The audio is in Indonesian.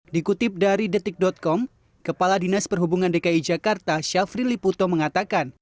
dikutip dari detik com kepala dinas perhubungan dki jakarta syafri liputo mengatakan